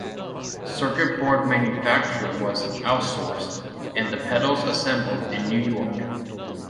Circuit board manufacture was outsourced, and the pedals assembled in New York.